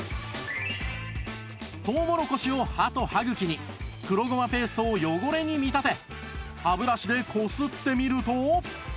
トウモロコシを歯と歯茎に黒ごまペーストを汚れに見立て歯ブラシでこすってみると